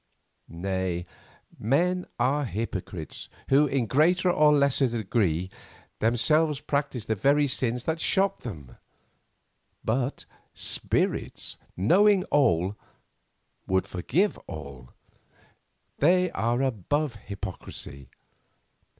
Nay, men are hypocrites, who, in greater or less degree, themselves practice the very sins that shock them, but spirits, knowing all, would forgive all. They are above hypocrisy.